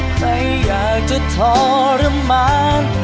ใครอยากจะทรมาน